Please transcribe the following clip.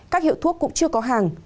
các hiệu thuốc cũng chưa có hàng